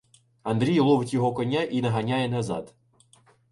Андрій ловить його коня і наганяє назад.